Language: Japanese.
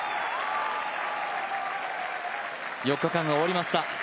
４日間が終わりました。